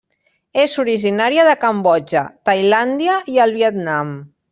És originària de Cambodja, Tailàndia i el Vietnam.